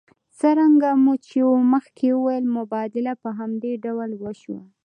څرنګه مو چې مخکې وویل مبادله په همدې ډول وشوه